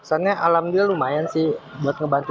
kesannya alhamdulillah lumayan sih buat ngebantu